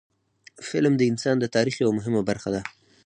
فلم د انسان د تاریخ یوه مهمه برخه ده